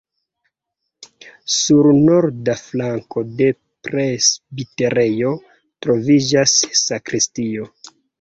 Sur norda flanko de presbiterejo troviĝas sakristio.